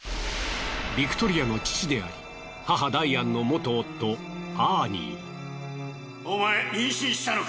ビクトリアの父であり母ダイアンの元夫アーニー。